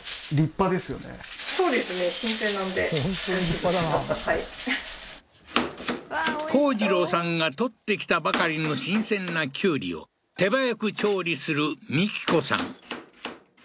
そうですはい幸次郎さんが採ってきたばかりの新鮮なきゅうりを手早く調理する幹子さん